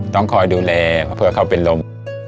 ต้องคอยดูแลเพื่อเขาเป็นลม